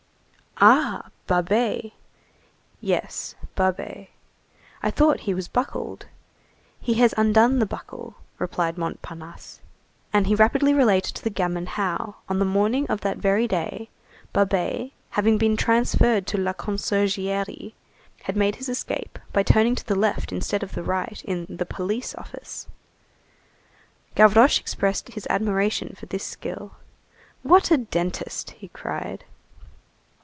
"Ah! Babet." "Yes, Babet." "I thought he was buckled." "He has undone the buckle," replied Montparnasse. And he rapidly related to the gamin how, on the morning of that very day, Babet, having been transferred to La Conciergerie, had made his escape, by turning to the left instead of to the right in "the police office." Gavroche expressed his admiration for this skill. "What a dentist!" he cried.